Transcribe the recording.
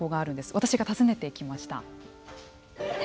私が訪ねてきました。